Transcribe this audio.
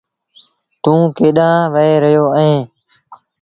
توٚنٚ ڪيڏآنٚ وهي رهيو اهينٚ